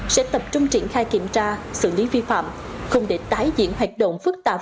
sẽ tập trung triển khai kiểm tra xử lý vi phạm không để tái diễn hoạt động phức tạp